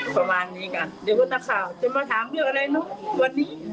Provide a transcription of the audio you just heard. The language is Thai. ควาวะควาวะ